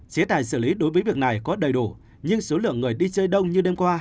chế tài xử lý đối với việc này có đầy đủ nhưng số lượng người đi chơi đông như đêm qua